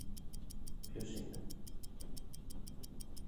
Ποιος είναι;